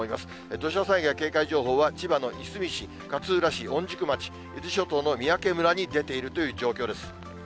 土砂災害警戒情報は千葉のいすみ市、勝浦市、御宿町、伊豆諸島の三宅村に出ているという状況です。